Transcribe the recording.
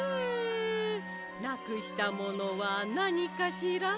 なくしたものはなにかしら？